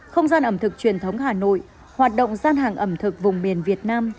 không gian ẩm thực truyền thống hà nội hoạt động gian hàng ẩm thực vùng miền việt nam